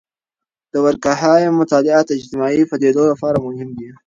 د دورکهايم مطالعات د اجتماعي پدیدو لپاره مهم دي.